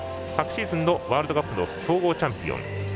昨シーズン、ワールドカップの総合チャンピオン。